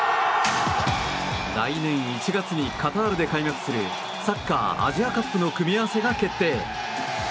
来年１月にカタールで開幕するサッカーアジアカップの組み合わせが決定。